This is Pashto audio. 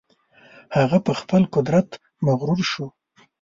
هغه په خپل قدرت مغرور شو.